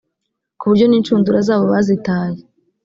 ku buryo n’inshundura zabo bazitaye